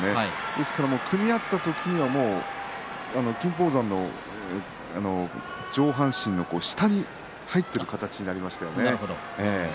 ですから組み合った時にはもう金峰山の上半身の下に入っている形ですね。